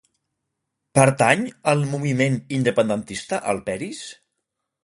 Pertany al moviment independentista el Peris?